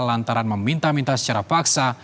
lantaran meminta minta secara paksa